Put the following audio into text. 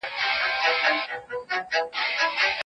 بدن ورو ورو ارامېږي.